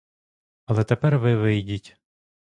Але тепер ви вийдіть.